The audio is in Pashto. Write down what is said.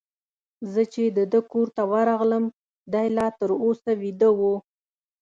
زه چي د ده کور ته ورغلم، دی لا تر اوسه بیده وو.